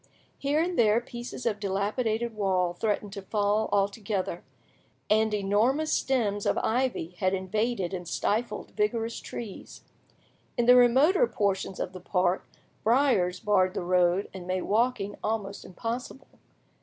Here and there pieces of dilapidated wall threatened to fall altogether, and enormous stems of ivy had invaded and stifled vigorous trees; in the remoter portions of the park briers barred the road and made walking almost impossible.